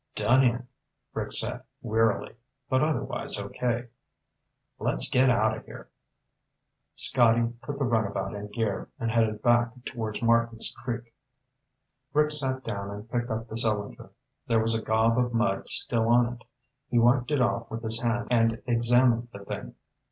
"Done in," Rick said wearily. "But otherwise okay." "Let's get out of here." Scotty put the runabout in gear and headed back toward Martins Creek. Rick sat down and picked up the cylinder. There was a gob of mud still on it. He wiped it off with his hand and examined the thing.